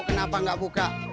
tau kenapa nggak buka